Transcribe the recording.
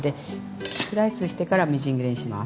スライスしてからみじん切りにします。